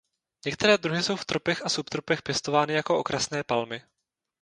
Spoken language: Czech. Některé druhy jsou v tropech a subtropech pěstovány jako okrasné palmy.